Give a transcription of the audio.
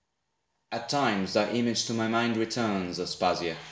At times thy image to my mind returns, Aspasia.